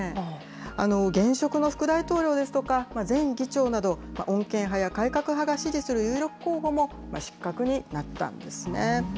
現職の副大統領ですとか、前議長など、穏健派や改革派が支持する有力候補も失格になったんですね。